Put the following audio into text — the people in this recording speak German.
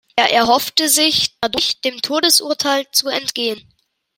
Er erhoffte sich, dadurch dem Todesurteil zu entgehen.